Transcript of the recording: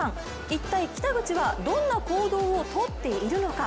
一体、北口はどんな行動をとっているのか。